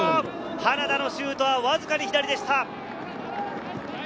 花田のシュートはわずかに左でした。